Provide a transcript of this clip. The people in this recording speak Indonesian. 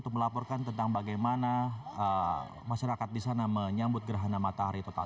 untuk melaporkan tentang bagaimana masyarakat di sana menyambut gerhana matahari total